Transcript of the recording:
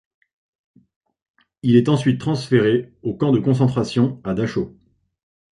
Il est ensuite transféré au camp de concentration à Dachau.